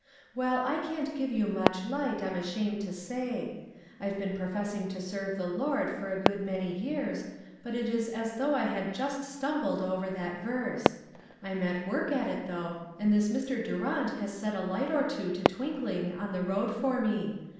Well, I can't give you much light, I'm ashamed to say. I've been professing to serve the Lord for a good many years, but it is as though I had just stumbled over that verse. I'm at work at it, though, and this Mr. Durant has set a light or two to twinkling on the road for me.